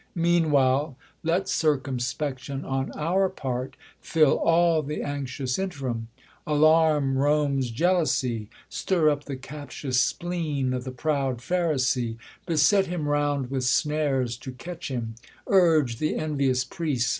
Meanwhile let circumspection on our part Fill all the anxious interim ; alarm Rome's jealousy ; stjr up the captious spleen Of the proud Pharisee ; beset him round With snares to catch him j urge the envious priests.